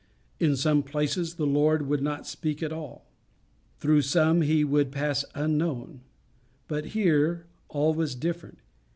In some places the Lord would not speak at all. Through some he would pass unknown. But here all was different.